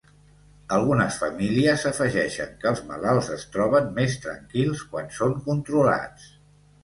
Algunes famílies afegeixen que els malalts es troben més tranquils quan són controlats.